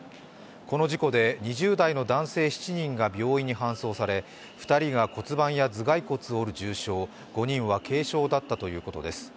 この事故で２０代の男性７人が病院に搬送され、２人が骨盤や頭蓋骨を折る重傷５人は軽傷だったということです。